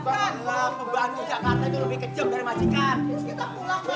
bangunlah membangun jakarta itu lebih kejam dari masjid kan